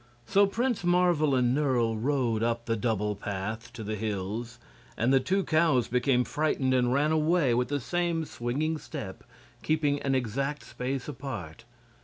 So Prince Marvel and Nerle rode up the double path to the hills, and the two cows became frightened and ran away with the same swinging step, keeping an exact space apart.